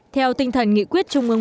theo tinh thần nghị quyết trung ương bốn